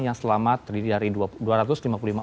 yang selamat terdiri dari dua ratus lima puluh lima orang